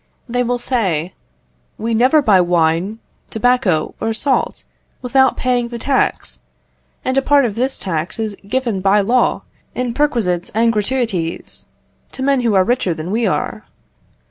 They will say "We never buy wine, tobacco, or salt, without paying the tax, and a part of this tax is given by law in perquisites and gratuities to men who are richer than we are.